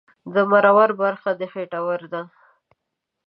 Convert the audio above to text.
د مرور برخه د خېټور ده